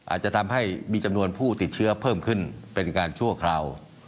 อาจจะทำให้มีจำนวนผู้ติดเชื้อเพิ่มขึ้นเป็นการชั่วคราว